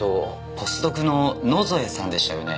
ポスドクの野添さんでしたよね？